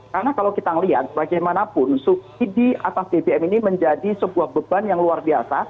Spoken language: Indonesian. karena kalau kita melihat bagaimanapun subsidi atas bbm ini menjadi sebuah beban yang luar biasa